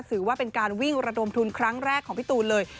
ถือว่าเป็นการวิ่งระดมทุนครั้งแรกของพี่ตูนเลย